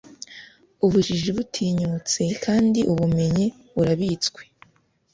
ubujiji butinyutse kandi ubumenyi burabitswe